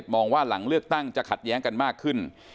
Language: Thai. มองว่าหลังเลือกตั้งจะขัดแย้งกันมากขึ้น